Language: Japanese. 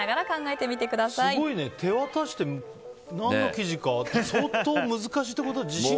すごいね、手渡して何の生地かって相当難しいってこと？